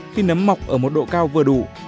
khi nấm mọc ở một độ cao vừa đủ